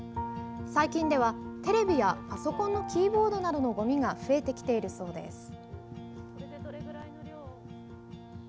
最近ではテレビやパソコンのキーボードなどのごみが増えてきているそうです。